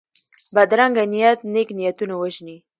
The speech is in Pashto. بدرنګه نیت نېک نیتونه وژني